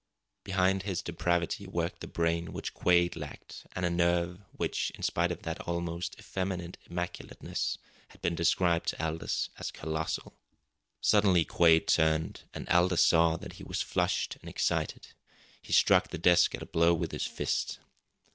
Behind his depravity worked the brain which Quade lacked, and a nerve which, in spite of that almost effeminate immaculateness, had been described to Aldous as colossal. Suddenly Quade turned, and Aldous saw that he was flushed and excited. He struck the desk a blow with his fist.